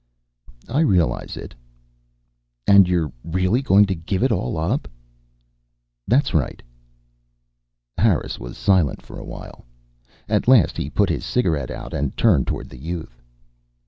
"I realize it." "And you're really going to give it all up?" "That's right." Harris was silent for a while. At last he put his cigarette out and turned toward the youth.